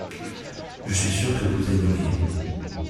Je suis sûr vous aimeriez.